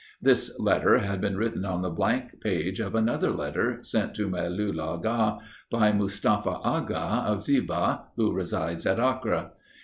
This letter had been written on the blank page of another letter, sent to Melul Agha, by Mustafa Agha, of Ziba, who resides at Akkre.